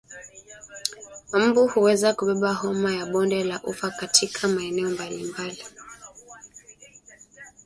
Mbu huweza kubeba homa ya bonde la ufa katika maeneo mbalimbali